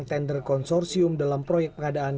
kementerian negeri menetapkan sejumlah perusahaan pengajian